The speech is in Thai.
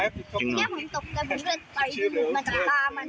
พี่แม่ผมตกใจผมก็เลยตายอีกนิดนึงมาจากปลามัน